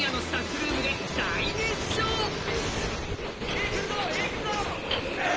いくぞ、いくぞ！